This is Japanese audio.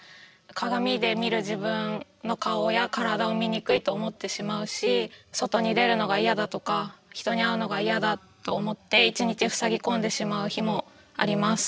鏡で見る自分の顔や体を醜いと思ってしまうし外に出るのが嫌だとか人に会うのが嫌だと思って一日ふさぎ込んでしまう日もあります。